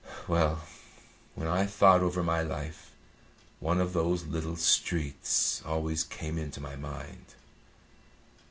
Well, when I thought over my life, one of those little streets always came into my mind.